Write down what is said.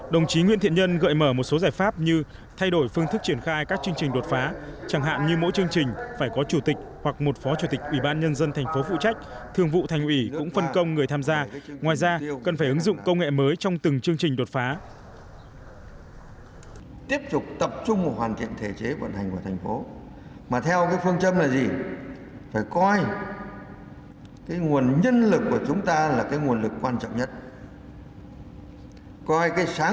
đồng chí nguyễn thiện nhân gợi mở một số giải pháp như thay đổi phương thức triển khai các chương trình đột phá chẳng hạn như mỗi chương trình phải có chủ tịch hoặc một phó chủ tịch ủy ban nhân dân tp phụ trách thương vụ thành ủy cũng phân công người tham gia ngoài ra cần phải ứng dụng công nghệ mới trong từng chương trình đột phá